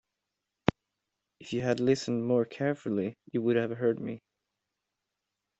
If you had listened more carefully, you would have heard me.